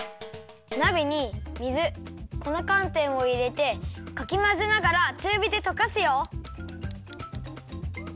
なべに水粉かんてんをいれてかきまぜながらちゅうびでとかすよ！